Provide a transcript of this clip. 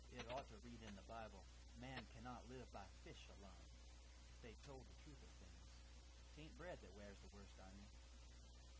It ought to read in the Bible, 'Man cannot live by fish alone,' if they'd told the truth of things; 'taint bread that wears the worst on you!